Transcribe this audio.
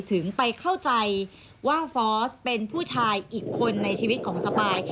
ถึงไปเข้าใจว่าฟอร์สเป็นผู้ชายอีกคนในชีวิตของสปาย